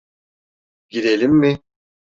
Girelim mi?